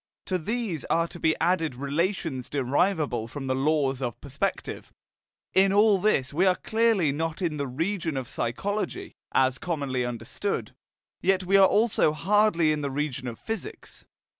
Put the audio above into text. To these are to be added relations derivable from the laws of perspective. In all this we are clearly not in the region of psychology, as commonly understood; yet we are also hardly in the region of physics.